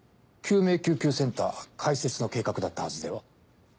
救命救急センター開設の計画だったはずでは？